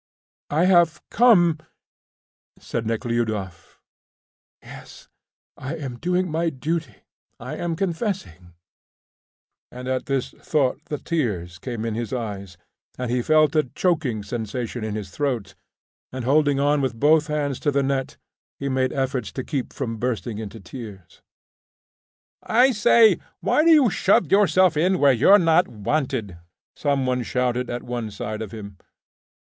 "I have come," said Nekhludoff. "Yes, I am doing my duty I am confessing," thought Nekhludoff; and at this thought the tears came in his eyes, and he felt a choking sensation in his throat, and holding on with both hands to the net, he made efforts to keep from bursting into tears. "I say, why do you shove yourself in where you're not wanted?" some one shouted at one side of him.